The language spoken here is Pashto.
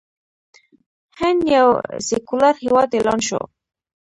هند یو سیکولر هیواد اعلان شو.